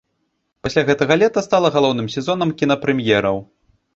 Пасля гэтага лета стала галоўным сезонам кінапрэм'ераў.